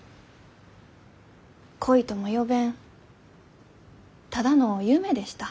恋とも呼べんただの夢でした。